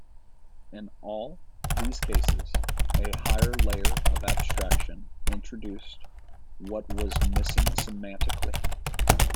In all these cases, a higher layer of abstraction introduced what was missing semantically.